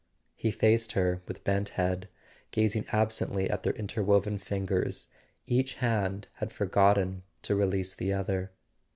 He faced her with bent head, gazing absently at their interwoven fingers: each hand had forgotten to release the other.